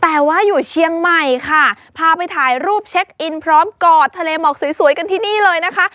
แต่ว่าอยู่เชียงใหม่ค่ะพาไปถ่ายรูปเช็คอินพร้อมกอดทะเลหมอกสวยสวยกันที่นี่เลยนะคะ